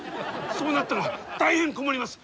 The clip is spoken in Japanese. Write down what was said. そうなったら大変困ります。